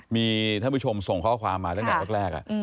มีท่านผู้ชมส่งข้อความมาตั้งแต่แรก